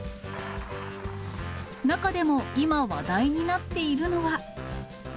中でも、今、話題になっているのは。